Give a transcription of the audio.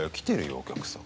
お客さん。